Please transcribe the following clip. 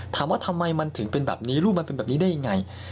ถามว่าทำไมมันถึงเป็นแบบนี้ลูกมันเป็นแบบนี้ได้ยังไง